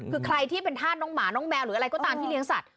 คือใครที่เป็นธาตุน้องหมาน้องแมวหรืออะไรก็ตามที่เลี้ยสัตว